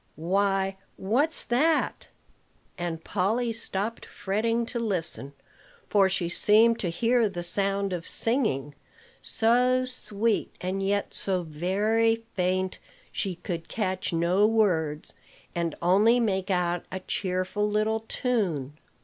Why, what's that?" And Polly stopped fretting to listen; for she seemed to hear the sound of singing, so sweet, and yet so very faint she could catch no words, and only make out a cheerful little tune.